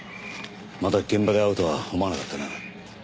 また現場で会うとは思わなかったな。